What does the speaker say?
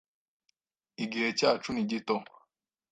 Igihe cyacu ni gito.